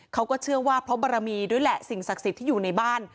เขาก็เชื่อว่าเพราะบารมีด้วยแหละสิ่งศักดิ์สิทธิ์ที่อยู่ในบ้าน